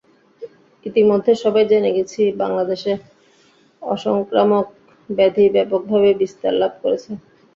ইতিমধ্যে সবাই জেনে গেছি, বাংলাদেশে অসংক্রামক ব্যাধি ব্যাপকভাবে বিস্তার লাভ করেছে।